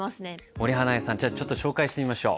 森英恵さんじゃあちょっと紹介してみましょう。